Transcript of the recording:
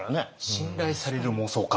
信頼される妄想家。